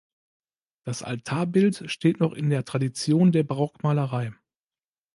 Das Altarbild steht noch in der Tradition der Barockmalerei.